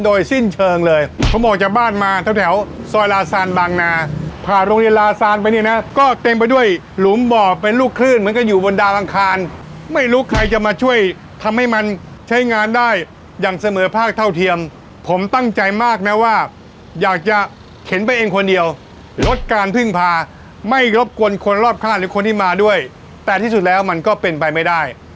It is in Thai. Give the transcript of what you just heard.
โดยสิ้นเชิงเลยผมออกจากบ้านมาแถวแถวซอยลาซานบางนาผ่านโรงเรียนลาซานไปเนี่ยนะก็เต็มไปด้วยหลุมบ่อเป็นลูกคลื่นเหมือนกันอยู่บนดาวอังคารไม่รู้ใครจะมาช่วยทำให้มันใช้งานได้อย่างเสมอภาคเท่าเทียมผมตั้งใจมากนะว่าอยากจะเข็นไปเองคนเดียวลดการพึ่งพาไม่รบกวนคนรอบข้างหรือคนที่มาด้วยแต่ที่สุดแล้วมันก็เป็นไปไม่ได้